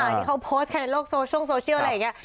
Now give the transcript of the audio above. ที่เขาโพสต์ในโลกโซเชียลอะไรอย่างนี้